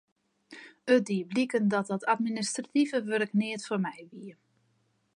It die bliken dat dat administrative wurk neat foar my wie.